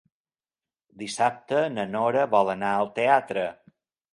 Dissabte na Nora vol anar al teatre.